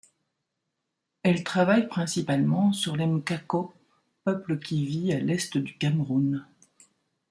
Elle travaille principalement sur les Mkako, peuple qui vit à l'Est du Cameroun.